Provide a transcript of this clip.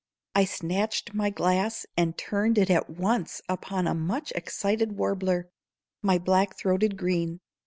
I snatched my glass and turned it at once upon a much excited warbler, my black throated green.